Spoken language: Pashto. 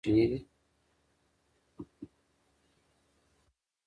مادي شرایط هغه طبیعي او ګټورې سرچینې دي.